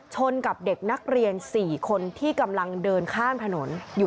กับเด็กนักเรียน๔คนที่กำลังเดินข้ามถนนอยู่